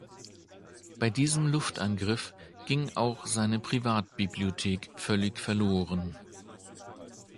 Bei diesem Luftangriff ging auch seine Privatbibliothek völlig verloren.